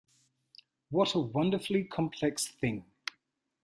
What a wonderfully complex thing!